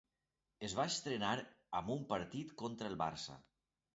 Es va estrenar amb un partit contra el Barça.